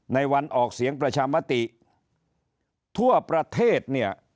ในวันออกเสียงประชามติทั่วประเทศเนี่ย